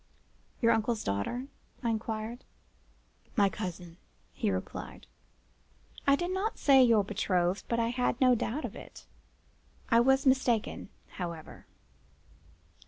"'Your uncle's daughter?' I inquired. "'My cousin,' he replied. "I did not say, 'your betrothed,' but I had no doubt of it. I was mistaken, however.